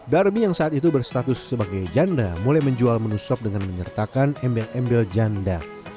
darmi yang saat itu berstatus sebagai janda mulai menjual menu sop dengan menyertakan embel embel janda